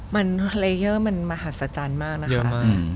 มันเลเยอร์มันมหาศจรรย์มากนะคะเยอะมาก